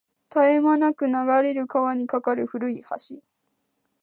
絶え間なく流れる川に架かる古い橋